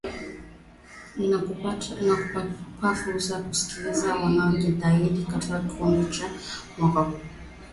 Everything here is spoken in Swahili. inakupa fursa ya kusikiliza yaliojadiliwa katika kipindi cha mwaka huu